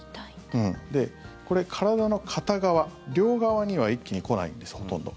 これ、体の片側両側には一気に来ないんですほとんど。